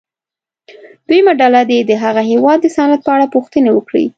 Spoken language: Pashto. دویمه ډله دې د هغه هېواد د صنعت په اړه پوښتنې وکړي.